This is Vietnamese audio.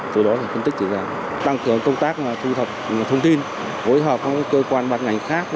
từ đó là phân tích ra tăng cường công tác thu thập thông tin hối hợp với cơ quan bán ngành khác